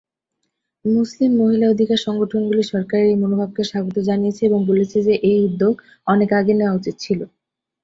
মুসলিম মহিলা অধিকার সংগঠনগুলি সরকারের এই মনোভাবকে স্বাগত জানিয়েছে এবং বলেছে যে এই উদ্যোগ অনেক আগে নেওয়া উচিত ছিল।